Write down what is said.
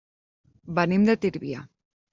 Venim de Tírvia.